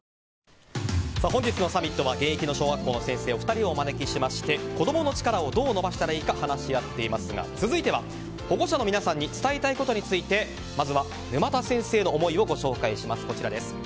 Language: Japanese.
本日のサミットは現役の小学校の先生お二人をお招きしまして子供の力をどう伸ばしたらしいか話し合っていますが続いては保護者の皆さんに伝えたいことについてまずは沼田先生の思いをご紹介します。